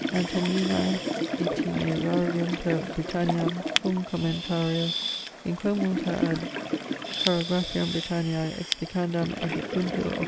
Antonini Itinerarium per Britanniam, cum commentario in quo multa ad chorographiam Britanniae explicandam adducuntur: 8vo.